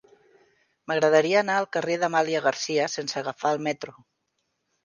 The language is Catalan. M'agradaria anar al carrer d'Amàlia Garcia sense agafar el metro.